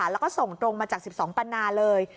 แล้วก็ส่งตรงมาจาก๑๒ปันนาเลย